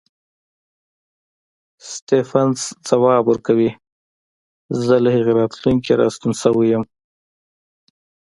سټېفنس ځواب ورکوي زه له هغې راتلونکې راستون شوی یم.